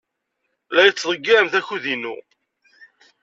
La iyi-tettḍeyyiɛemt akud-inu.